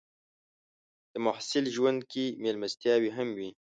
د محصل ژوند کې مېلمستیاوې هم وي.